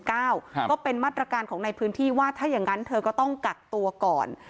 ก็เป็นมาตรการของในพื้นที่ว่าถ้าอย่างนั้นเธอก็ต้องกักตัวก่อน